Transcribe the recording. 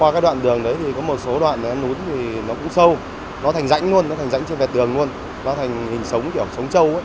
vết hàn lún thì nó cũng sâu nó thành rãnh luôn nó thành rãnh trên vẹt đường luôn nó thành hình sống kiểu sống trâu